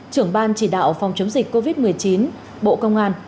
trưởng ban chỉ đạo phòng chống dịch covid một mươi chín bộ công an